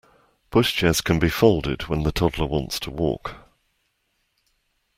Pushchairs can be folded when the toddler wants to walk